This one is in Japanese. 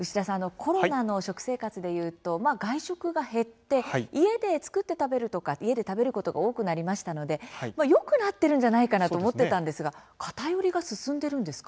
コロナの食生活でいうと外食が減って家で作って食べることが多くなりましたのでよくなったのかなと思ったんですが偏りが進んでいるのですか？